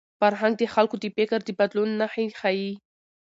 فرهنګ د خلکو د فکر د بدلون نښې ښيي.